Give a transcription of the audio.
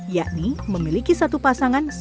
yakni memiliki satu sifat yang berbeda